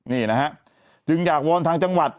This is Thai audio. นี่นะฮะจึงอยากวอนทางจังหวัด